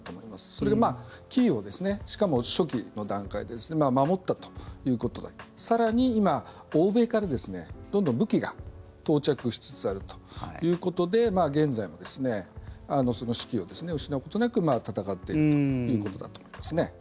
それで、キーウを初期の段階で守ったということで更に今、欧米からどんどん武器が到着しつつあるということで現在も、その士気を失うことなく戦っているということだと思いますね。